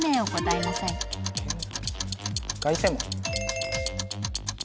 凱旋門。